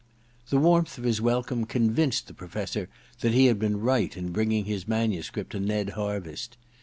The warmth of his welcome convinced the Professor that he had been right in bringing his manuscript to Ned Harviss.